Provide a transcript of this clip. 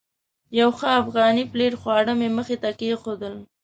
یو ښه افغاني پلیټ خواړه مې مخې ته کېښودل.